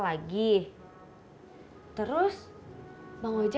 lagi lu terus pergi aja